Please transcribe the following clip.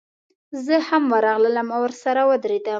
زه هم ورغلم او ورسره ودرېدم.